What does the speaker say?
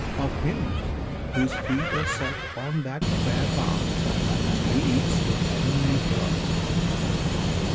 of him whose feet are set On that fair path which leads to heavenly birth!